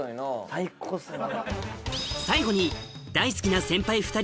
最高っすね。